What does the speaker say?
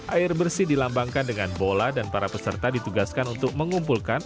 air bersih dilambangkan dengan bola dan para peserta ditugaskan untuk mengumpulkan